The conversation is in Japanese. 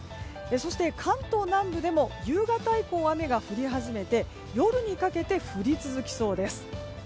そして、関東南部でも夕方以降、雨が降り始めて夜にかけて降り続きそうです。